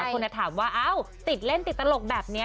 หลายคนจะถามว่าเอ้าติดเล่นติดตลกแบบเนี่ย